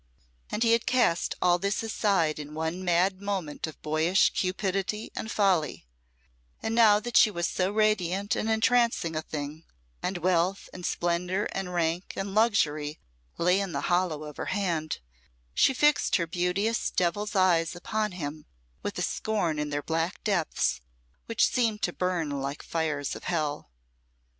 And he had cast all this aside in one mad moment of boyish cupidity and folly; and now that she was so radiant and entrancing a thing, and wealth, and splendour, and rank, and luxury lay in the hollow of her hand, she fixed her beauteous devil's eyes upon him with a scorn in their black depths which seemed to burn like fires of hell.